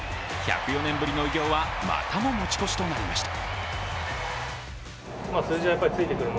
１０４年ぶりの偉業は、またも持ち越しとなりました。